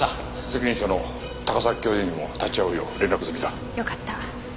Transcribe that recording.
責任者の高崎教授にも立ち会うよう連絡済みだ。よかった。